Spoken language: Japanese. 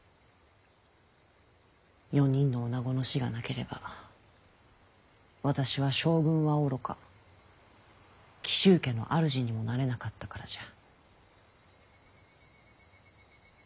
４人のおなごの死がなければ私は将軍はおろか紀州家の主にもなれなかったからじゃ。